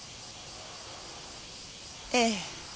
ええ。